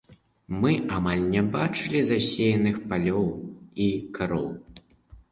Мы амаль не бачылі засеяных палёў і кароў.